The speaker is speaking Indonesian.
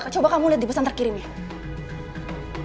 coba kamu liat di pesan terkiri nih